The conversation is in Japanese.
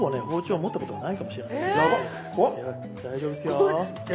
大丈夫ですよ。